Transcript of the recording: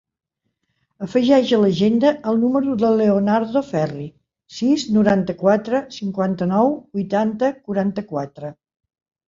Afegeix a l'agenda el número del Leonardo Ferri: sis, noranta-quatre, cinquanta-nou, vuitanta, quaranta-quatre.